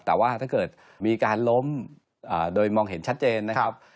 แต่ว่าถ้าเกิดมีการล้มโดยมองเห็นชัดเจนนะครับ